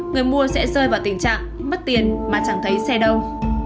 người mua sẽ rơi vào tình trạng mất tiền mà chẳng thấy xe đâu